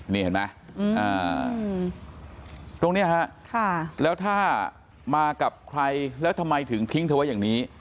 นี่เห็นไหมตรงนี้ฮะแล้วถ้ามากับใครแล้วทำไมถึงทิ้งเธอไว้อย่างนี้